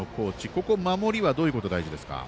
ここ、守りどういうことが大事ですか？